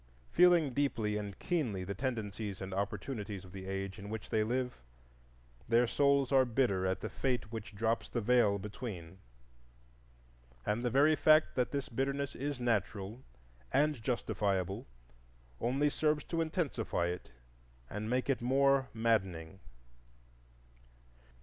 Feeling deeply and keenly the tendencies and opportunities of the age in which they live, their souls are bitter at the fate which drops the Veil between; and the very fact that this bitterness is natural and justifiable only serves to intensify it and make it more maddening.